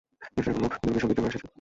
নিশ্চয় কোন দূরভিসন্ধির জন্যে এসেছে।